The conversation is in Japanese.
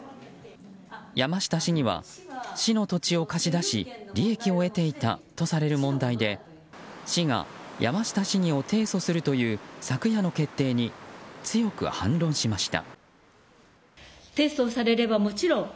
山下市議は市の土地を貸し出し利益を得ていたとされる問題で市が山下市議を提訴するという昨夜の決定に強く反論しました。